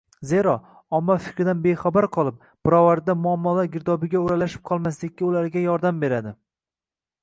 zero, omma fikridan bexabar qolib, pirovardida muammolar girdobiga o‘ralashib qolmaslikka ularga yordam beradi.